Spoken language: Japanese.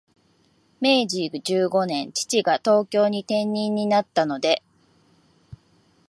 明治十五年、父が東京に転任になったので、